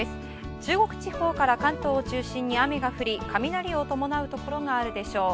中国地方から関東を中心に雨が降り雷を伴うところがあるでしょう。